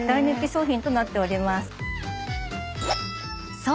［そう！